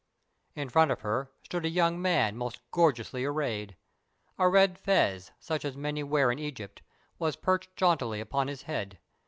In front of her stood a young man most gorgeously arrayed. A red fez, such as many wear in Egypt, was perched jauntily upon his head.